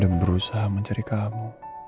saya udah berusaha mencari kamu